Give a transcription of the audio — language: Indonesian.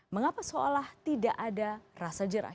mengapa seolah tidak ada rasa jerah